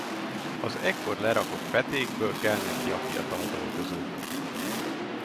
Az ekkor lerakott petékből kelnek ki a fiatal dolgozók.